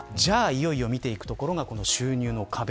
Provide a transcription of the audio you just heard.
いよいよ見ていくのが収入の壁。